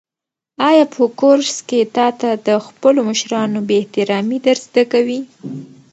آیا په کورس کې تاته د خپلو مشرانو بې احترامي در زده کوي؟